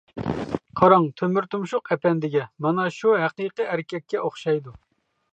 -قاراڭ تۆمۈر تۇمشۇق ئەپەندىگە، مانا شۇ ھەقىقىي ئەركەككە ئوخشايدۇ.